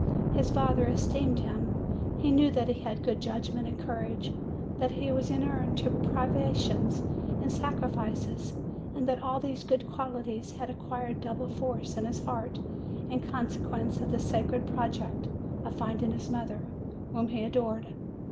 His father esteemed him ; he knew that he had good judgment and courage; that he was inured to privations and sacrifices; and that all these good qualities had acquired double force in his heart in consequence of the sacred project of finding his mother, whom he adored.